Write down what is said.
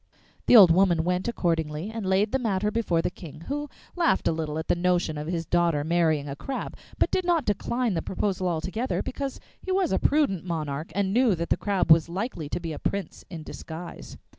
The old woman went accordingly, and laid the matter before the King, who laughed a little at the notion of his daughter marrying a crab, but did not decline the proposal altogether, because he was a prudent monarch, and knew that the Crab was likely to be a prince in disguise.